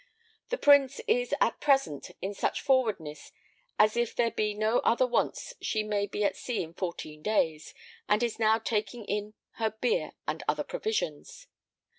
The Prince is at present in such forwardness as if there be no other wants she may be at sea in fourteen days, and is now taking in her beer and other provisions.